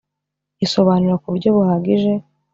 isobanura kuburyo buhagije .